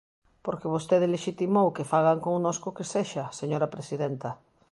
Porque vostede lexitimou que fagan connosco o que sexa, señora presidenta.